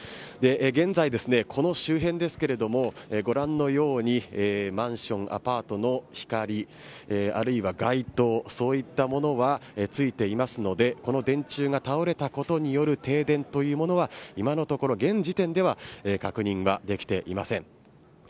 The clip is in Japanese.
現在この周辺ですけれどもご覧のようにマンション、アパートの光あるいは街灯そういったものはついていますのでこの電柱が倒れたことによる停電というものは今のところ現時点では確認はできていません。